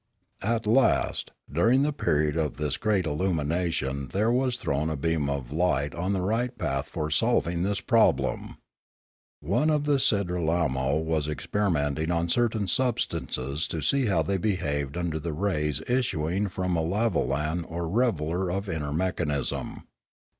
At last, during the period of this great illumination there was thrown a beam of light on the right path for solving this problem. One of the Sidralmo was experi menting on certain substances to see how they behaved under the rays issuing from a lavolan or revealer of inner mechanism.